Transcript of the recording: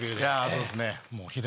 そうですね。